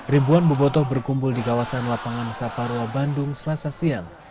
ribuan bobotoh berkumpul di kawasan lapangan saparua bandung selasa siang